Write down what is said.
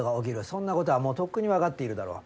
そんなことはもうとっくにわかっているだろう。